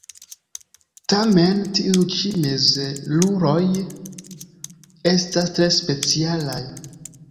Tamen tiuj ĉi mizeruloj estas tre specialaj.